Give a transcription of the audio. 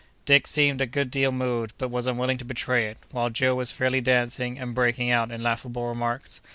Dick seemed a good deal moved, but was unwilling to betray it; while Joe was fairly dancing and breaking out in laughable remarks.